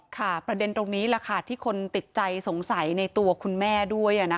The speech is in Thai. ประเด็นตรงนี้แหละค่ะที่คนติดใจสงสัยในตัวคุณแม่ด้วย